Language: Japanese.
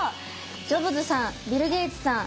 ジョブズさんビル・ゲイツさん。